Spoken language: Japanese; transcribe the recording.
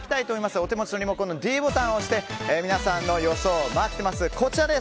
お手持ちのリモコンのｄボタンを押して皆さんの予想、待ってます。